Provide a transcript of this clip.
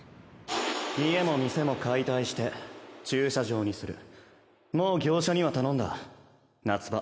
家も店も解体して駐車場にすもう業者には頼んだ夏場